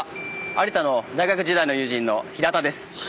有田の大学時代の友人の平田です。